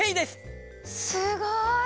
すごい！